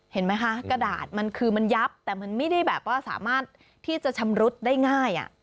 เห็นไหมคะกระดาษมันคือมันยับแต่มันไม่ได้แบบว่าสามารถที่จะชำรุดได้ง่าย